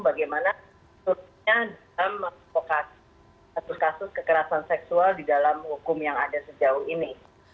bagaimana hukumnya dalam satu kasus kekerasan seksual di dalam hukum yang ada sejauh ini